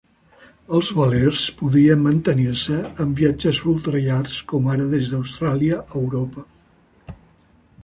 Els velers podien mantenir-se en viatges ultra llargs, com ara des d'Austràlia a Europa.